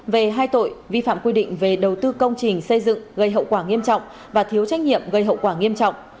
về hai tội vi phạm quy định về đầu tư công trình xây dựng gây hậu quả nghiêm trọng và thiếu trách nhiệm gây hậu quả nghiêm trọng